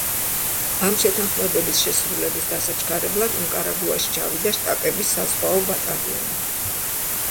ამ შეთანხმებების შესრულების დასაჩქარებლად ნიკარაგუაში ჩავიდა შტატების საზღვაო ბატალიონი.